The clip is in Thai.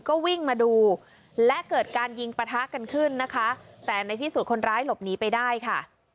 ก็วิ่งมาดูและเกิดการยิงปะทะกันขึ้นนะคะแต่ในที่สุดคนร้ายหลบหนีไปได้ค่ะ